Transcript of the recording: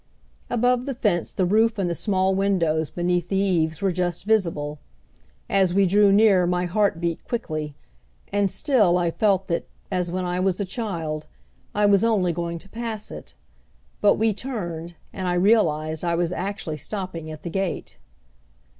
Above the fence the roof and the small windows beneath the eaves were just visible. As we drew near my heart beat quickly, and still I felt that, as when I was a child, I was only going to pass it. But we turned, and I realized I was actually stopping at the gate.